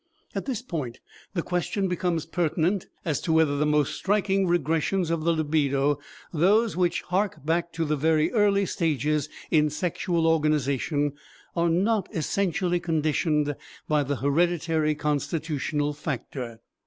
At this point the question becomes pertinent as to whether the most striking regressions of the libido, those which hark back to very early stages in sexual organization, are not essentially conditioned by the hereditary constitutional factor.